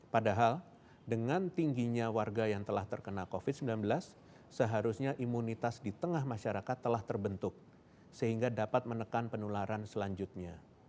padahal dengan tingginya warga yang telah terkena covid sembilan belas seharusnya imunitas di tengah masyarakat telah terbentuk sehingga dapat menekan penularan selanjutnya